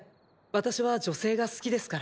私は女性が好きですから。